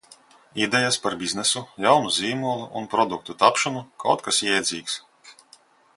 Idejas par biznesu, jaunu zīmolu un produktu tapšanu, kaut kas jēdzīgs.